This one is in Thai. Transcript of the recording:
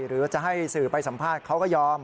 หรือจะให้สื่อไปสัมภาษณ์เขาก็ยอม